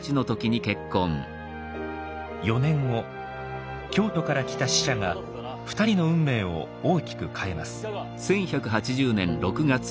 ４年後京都から来た使者が２人の運命を大きく変えます。